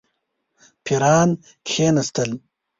پیران کښېنستل.